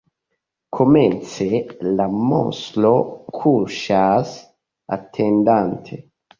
Komence, la monstro kuŝas atendante.